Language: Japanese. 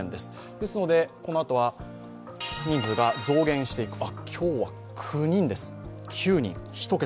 ですので、このあとは人数が増減していく、今日は９人です、１桁。